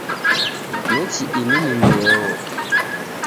Nechi ini ni ndeo?